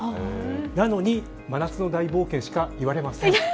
なのに、真夏の大冒険しか言われません。